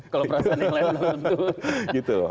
kalau perasaan yang lain tentu